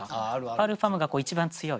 パルファムが一番強い。